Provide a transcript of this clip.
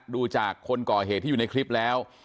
ดูจากคนก่อเหตุที่อยู่ในคลิปแล้ว